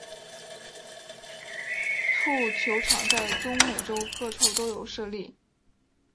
蹴球场在中美洲各处都有设立。